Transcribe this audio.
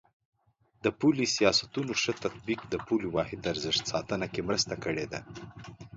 د پولي سیاستونو ښه تطبیق د پولي واحد ارزښت ساتنه کې مرسته کړې ده.